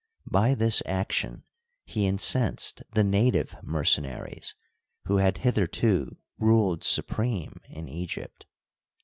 By this action he incensed the native mercenaries, who had hith erto ruled supreme in Egypt.